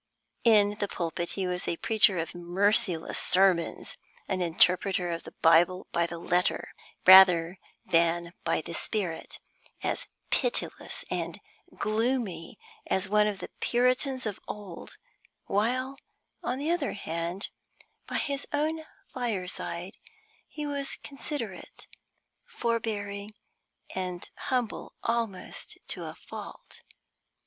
In the pulpit he was a preacher of merciless sermons an interpreter of the Bible by the letter rather than by the spirit, as pitiless and gloomy as one of the Puritans of old; while, on the other hand, by his own fireside he was considerate, forbearing, and humble almost to a fault.